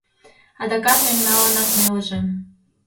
Адакат мемналанак нелыже.